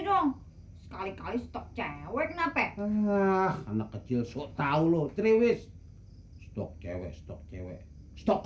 dong sekali kali stok cewek anak kecil shock tahu loh triwis stok cewek stok cewek stok